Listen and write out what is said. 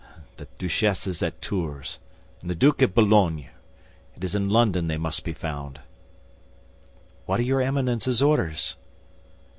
The duchess is at Tours, and the duke at Boulogne. It is in London they must be found." "What are your Eminence's orders?"